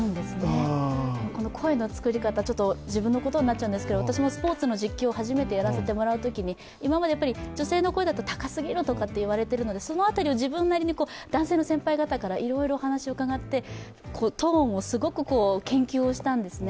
声の作り方、自分のことになっちゃうんですけど私もスポーツの実況を初めてやらせてもらうときに今まで女性の声だと高すぎるとか言われているので、その辺りを自分なりに男性の先輩方からいろいろ話を伺って、トーンをすごく研究したんですね。